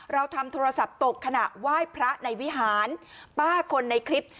เราทำโทรศัพท์ตกขณะไหว้พระในวิหารป้าคนในคลิป